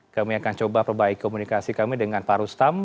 kami akan coba perbaik komunikasi kami dengan pak rustam